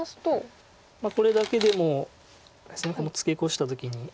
これだけでもこのツケコした時に。